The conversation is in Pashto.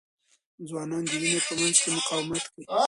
ځوانان د وینې په مینځ کې مقاومت کوي.